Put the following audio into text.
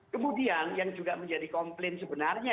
kemudian yang juga menjadi komplain sebenarnya